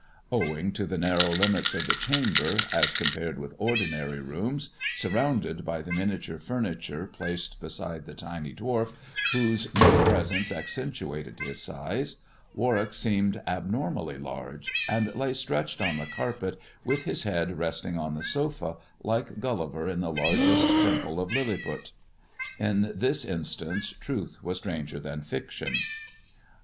Owing to the narrow limits of the chamber, as compared with ordinary rooms, sur rounded by the miniature f urnitiu'e placed beside the tiny dwarf, whose near presence accentuated his size, Warwick seemed abnormally large, and lay stretched on the carpet with his head resting on the sofa, like Gulliver in the largest temple of Lilliput. In this instance truth was stranger than fiction.